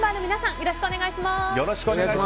よろしくお願いします。